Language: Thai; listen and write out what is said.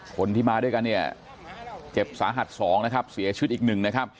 คนที่มาด้วยกันเจ็บสาหัสสองเสียชีวิตอีกหนึ่ง